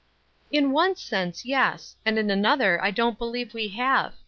"In one sense, yes, and in another I don't believe we have.